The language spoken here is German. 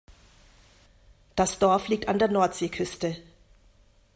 Das Dorf liegt an der Nordseeküste.